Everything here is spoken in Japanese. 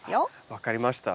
分かりました。